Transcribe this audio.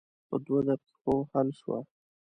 په دوه دقیقو حل شوه.